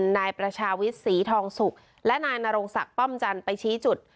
นายประชาวิทย์ศรีทองสุกและนายนรงศักดิ์ป้อมจันทร์ไปชี้จุด